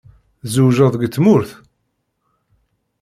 Tzewǧeḍ deg tmurt?